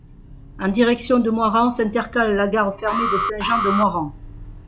En direction de Moirans, s'intercale la gare fermée de Saint-Jean-de-Moirans.